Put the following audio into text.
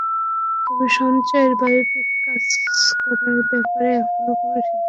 তবে, সঞ্জয়ের বায়োপিকে কাজ করার ব্যাপারে এখনও কোন সিদ্ধান্ত নেননি তিনি।